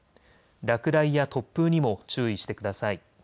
落雷や突風にも注意してください。